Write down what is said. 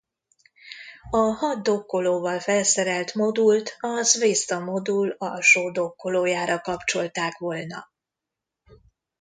A hat dokkolóval felszerelt modult a Zvezda modul alsó dokkolójára kapcsolták volna.